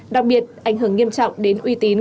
đặc biệt ảnh hưởng nghiêm trọng đến uy tín